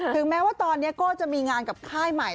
ถึงแม้ว่าตอนนี้ก็จะมีงานกับค่ายใหม่